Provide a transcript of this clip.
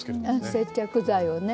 接着剤をね。